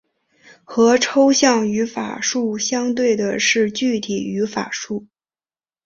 和抽象语法树相对的是具体语法树。